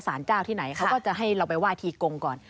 เจ้าที่ไหนเขาก็จะให้เราไปไหว้ทีกงก่อน